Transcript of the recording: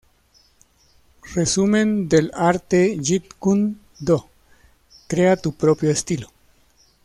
Resumen del arte Jeet Kune Do: "Crea tu propio estilo"